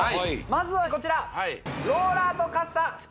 まずはこちら！